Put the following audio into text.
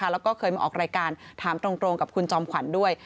แล้วก็เคยมาออกรายการถามตรงกับคุณจอมขวัญด้วย